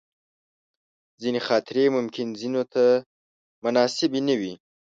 ځینې خاطرې ممکن ځینو ته مناسبې نه وي.